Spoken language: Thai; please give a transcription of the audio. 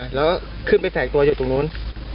เออแล้วขึ้นไปแฝงตัวอยู่ตรงโน้น